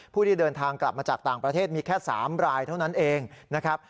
ผู้ที่เดินทางกลับมาจากต่างประเทศมีแค่๓รายเท่านั้นเองนะครับ